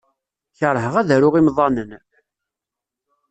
Keṛheɣ ad aruɣ imḍanen.